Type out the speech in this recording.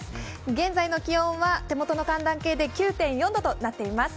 現在の気温は手元の寒暖計で９．４度となっています。